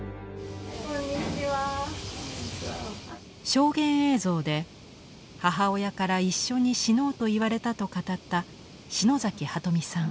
証言映像で母親から一緒に死のうと言われたと語った篠崎鳩美さん。